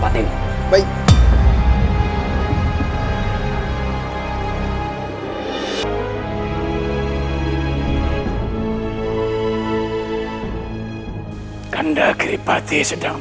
pastikan age tanya seseorang